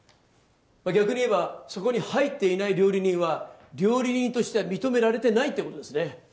逆に言えばそこに入っていない料理人は料理人としては認められてないってことですね